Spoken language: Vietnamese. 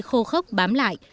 khô khốc bám lại